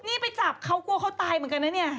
นี่ไปจับเขากลัวเขาตายเหมือนกันนะเนี่ย